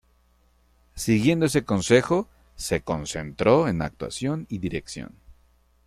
Siguiendo ese consejo, se concentró en actuación y dirección.